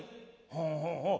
「ほうほうほう。